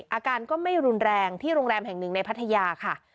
อาการก็ไม่รุนแรงที่โรงแรมแห่งหนึ่งในพัทยาค่ะ